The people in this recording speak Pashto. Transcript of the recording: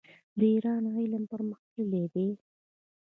د ایران علم پرمختللی دی.